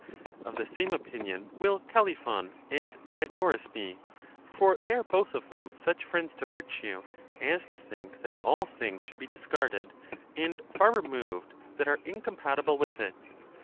Of the same opinion will Calliphon and Diodorus be; for they are both of them such friends to virtue as to think that all things should be discarded and far removed that are incompatible with it.